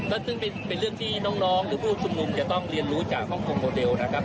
ก็ต้องการเป็นเรื่องที่พวกชุมนุมจะต้องเรียนรู้จากห้องกลมโมเดล